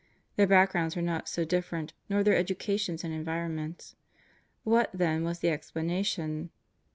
Their backgrounds were not so different, nor their edu cations and environments. What, then, was the explanation?